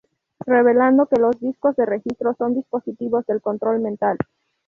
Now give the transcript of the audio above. Revelando que los Discos de Registro son dispositivos de control mental.